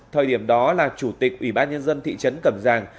thời điểm đó là chủ tịch ủy ban nhân dân thị trấn cẩm giàng